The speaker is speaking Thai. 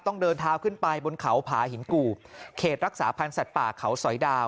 เดินเท้าขึ้นไปบนเขาผาหินกูบเขตรักษาพันธ์สัตว์ป่าเขาสอยดาว